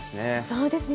そうですね。